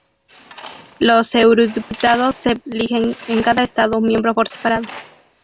Los eurodiputados se eligen en cada Estado miembro por separado.